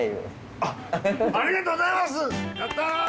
ありがとうございます！